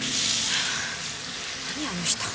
何あの人？